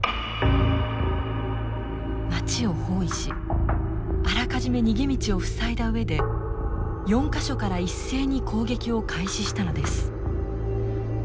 町を包囲しあらかじめ逃げ道を塞いだ上で４か所から一斉に攻撃を開始したのです。